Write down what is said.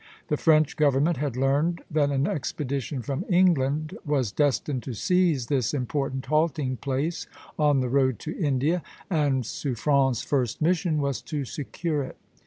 The French government had learned that an expedition from England was destined to seize this important halting place on the road to India, and Suffren's first mission was to secure it.